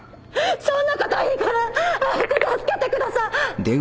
そんなこといいから早く助けてくださ。